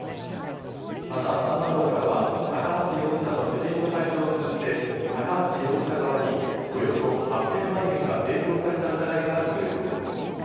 またサン・アローからは高橋容疑者の知人の会社を通じて高橋容疑者側におよそ８００万円が提供された疑いがあるということです。